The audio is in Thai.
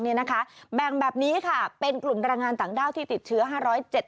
แบ่งแบบนี้ค่ะเป็นกลุ่มแรงงานต่างด้าวที่ติดเชื้อห้าร้อยเจ็ด